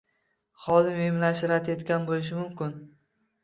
Xodim emlashni rad etgan bo'lishi mumkin